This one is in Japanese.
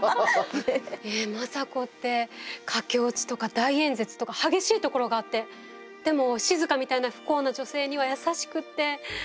え政子って駆け落ちとか大演説とか激しいところがあってでも静みたいな不幸な女性には優しくって。